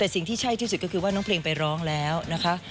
แต่สิ่งที่ใช่ที่สุดก็คือว่าน้องเพลงไปร้องแล้วนะคะ